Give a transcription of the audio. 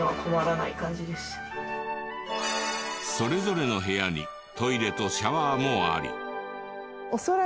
それぞれの部屋にトイレとシャワーもあり。